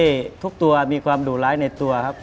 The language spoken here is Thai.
หลักของจราเก้ทุกตัวมีความดูล้ายในตัวครับ